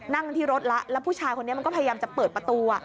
นั่งที่รถแล้วแล้วผู้ชายคนนี้มันก็พยายามจะเปิดประตู